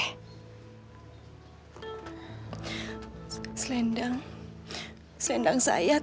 selendang selendang saya tete